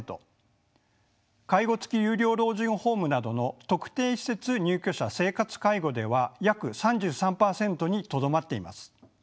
介護つき有料老人ホームなどの特定施設入居者生活介護では約３３％にとどまっています。